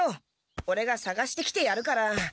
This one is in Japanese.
オレがさがしてきてやるから。